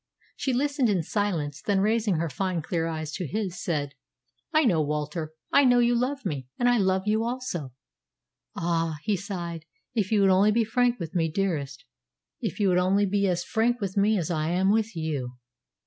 She listened in silence, then raising her fine clear eyes to his, said, "I know, Walter I know that you love me. And I love you also." "Ah," he sighed, "if you would only be frank with me, dearest if you would only be as frank with me as I am with you!"